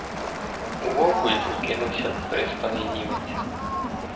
У вовкові прокинувся "приспаний німець".